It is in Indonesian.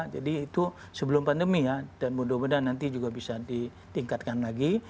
jadi itu sebelum pandemi ya dan mudah mudahan nanti juga bisa ditingkatkan lagi